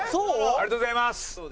ありがとうございます。